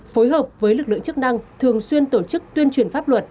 phối hợp với lực lượng chức năng thường xuyên tổ chức tuyên truyền pháp luật